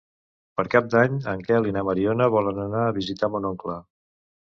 Per Cap d'Any en Quel i na Mariona volen anar a visitar mon oncle.